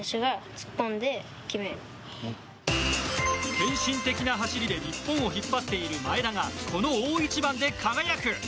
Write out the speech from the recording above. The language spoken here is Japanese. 献身的な走りで日本を引っ張る前田が、この大一番で輝く？